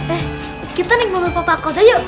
eh kita nih mau bawa pak kota yuk